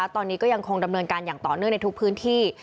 ตอนนี้ก็ยังคงดำเนินการอย่างต่อเนื่องในทุกพื้นที่